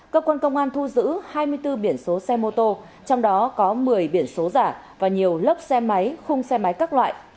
cơ quan công an thu giữ hai mươi bốn biển số xe mô tô trong đó có một mươi biển số giả và nhiều lớp xe máy khung xe máy các loại